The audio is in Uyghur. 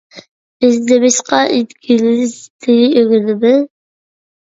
بىز نېمىشقا ئىنگلىز تىلى ئۆگىنىمىز؟